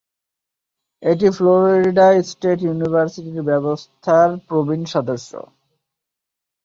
এটি Florida State University ব্যবস্থার প্রবীণ সদস্য।